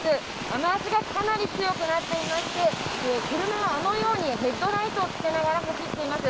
雨脚がかなり強くなっていまして車はヘッドライトをつけながら走っています。